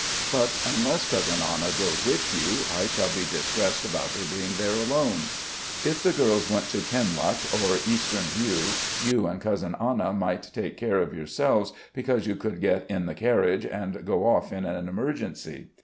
But unless Cousin Anna goes with you, I shall be distressed about her being there alone. If the girls went to 'Kinloch' or 'Eastern View,' you and Cousin Anna might take care of yourselves, because you could get in the carriage and go off in an emergency.